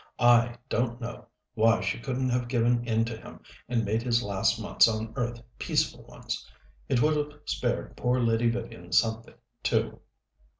I don't know why she couldn't have given in to him and made his last months on earth peaceful ones. It would have spared poor Lady Vivian something, too."